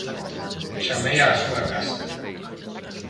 Chamei á súa casa.